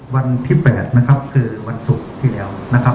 วันที่๘คือวันศุกร์ที่แล้ว